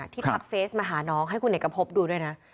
ที่ทักเฟซมาหาน้องให้คุณเนกกระพบดูด้วยนะ